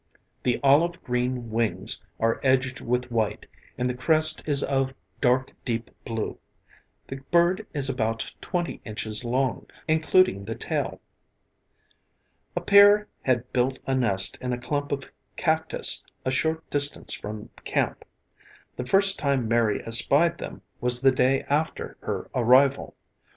The olive green wings are edged with white, and the crest is of dark, deep blue. The bird is about twenty inches long, including the tail. A pair had built a nest in a clump of cactus a short distance from camp. The first time Mary espied them was the day after her arrival.